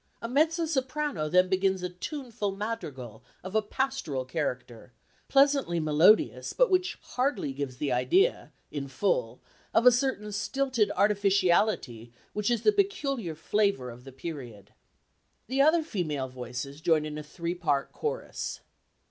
A mezzo soprano then begins a tuneful madrigal of a pastoral character, pleasantly melodious but which hardly gives the idea, in full, of a certain stilted artificiality which is the peculiar flavour of the period. The other female voices join in a three part chorus.